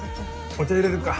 お茶入れるか。